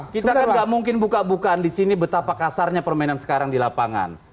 kita kan gak mungkin buka bukaan di sini betapa kasarnya permainan sekarang di lapangan